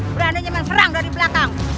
beraninya menyerang dari belakang